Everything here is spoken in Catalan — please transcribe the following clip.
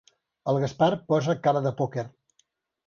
El Gaspar posa cara de pòquer.